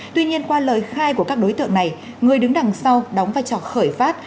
tuy nhiên qua lời khai của các đối tượng này người đứng đằng sau đóng vai trò khởi phát